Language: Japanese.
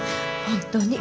本当に。